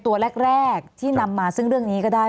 ตัวแรกที่นำมาซึ่งเรื่องนี้ก็ได้